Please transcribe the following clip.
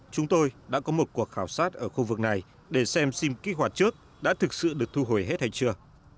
chúng tôi đã có một cuộc khảo sát ở khu vực này để xem sim kích hoạt trước đã thực sự được thu hồi hết hay chưa